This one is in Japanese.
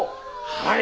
はい！